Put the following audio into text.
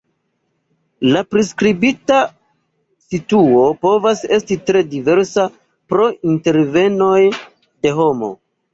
La priskribita situo povas esti tre diversa pro intervenoj de homo.